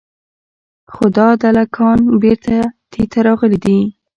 خو دا دله ګان بېرته تې راغلي دي.